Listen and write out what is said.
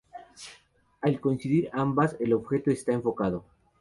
Al coincidir ambas, el objeto está enfocado.